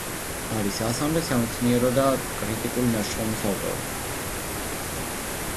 არის ასამდე სამეცნიერო და კრიტიკული ნაშრომის ავტორი.